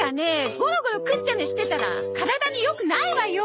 ゴロゴロ食っちゃ寝してたら体に良くないわよ。